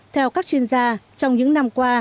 theo các chuyên gia trong những năm qua